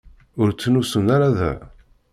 Ur ttnusun ara da.